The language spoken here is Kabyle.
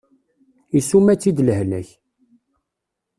Isuma-tt-id lehlak.